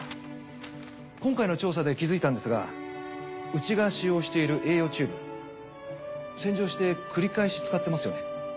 今回の調査で気づいたんですがうちが使用している栄養チューブ洗浄して繰り返し使ってますよね。